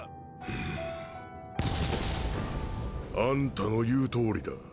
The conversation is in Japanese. ん。あんたの言う通りだ。